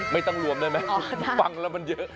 ไม่ต้องรวมได้ไหมฟังแล้วมันเยอะ